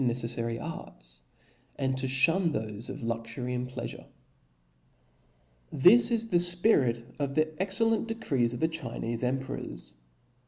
neccf* fary arts, and to fhun thofe of luxury and plea fure. This is the fpirit of the excellent decrees of the Chinefe emperors.